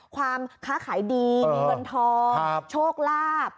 ความค้าขายดีมีเงินทองโชคลาภ